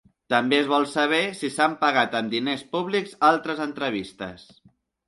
També es vol saber si s’han pagat amb diners públics altres entrevistes.